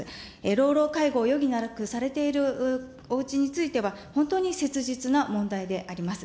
老老介護を余儀なくされているおうちについては、本当に切実な問題であります。